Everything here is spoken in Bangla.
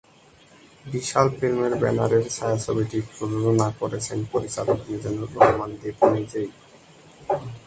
বিশাল ফিল্মসের ব্যানারে ছায়াছবিটি প্রযোজনা করেছেন পরিচালক মিজানুর রহমান দীপু নিজেই।